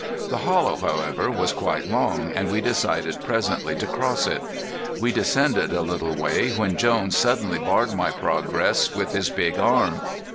The hollow, however, was quite long and we decided presently to cross it. We descended a little way when Jones suddenly barred my progress with his big arm.